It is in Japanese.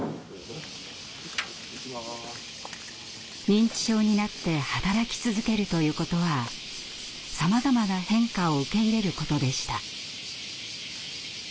認知症になって働き続けるということはさまざまな変化を受け入れることでした。